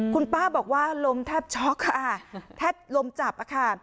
คุณป้าบอกว่าลมแทบช็อกค่ะแทบลมจับค่ะ